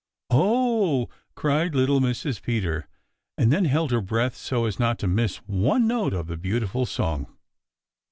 "Oh!" cried little Mrs. Peter, and then held her breath so as not to miss one note of the beautiful song.